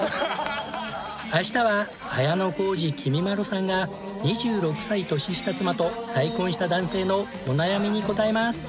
明日は綾小路きみまろさんが２６歳年下妻と再婚した男性のお悩みに答えます。